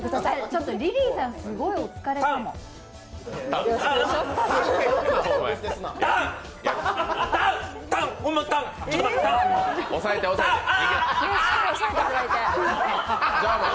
ちょっとリリーさん、すごいお疲れかも。